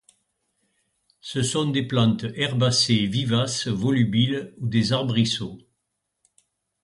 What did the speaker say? Ce sont des plantes herbacées vivaces volubiles ou des arbrisseaux.